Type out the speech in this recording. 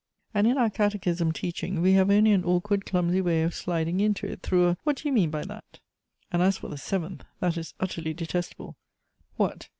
Aud in our Catechism teaching we have only an awkward clumsy way of sliding into it, through a ' what do you mean by that?' "And as for the seventh; that is xittcrly detestable. What